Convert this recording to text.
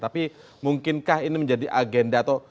tapi mungkinkah ini menjadi agenda atau